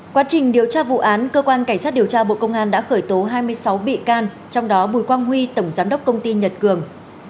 quá trình điều tra vụ án cơ quan cảnh sát điều tra bộ công an đã khởi tố hai mươi sáu bị can trong đó bùi quang huy tổng giám đốc công ty nhật cường